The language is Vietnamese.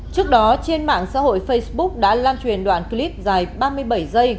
trước đó trên mạng xã hội facebook đã lan truyền đoạn clip dài ba mươi bảy giây